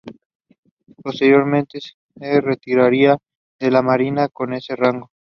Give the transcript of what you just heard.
Posteriormente se retiraría de la Marina con ese rango.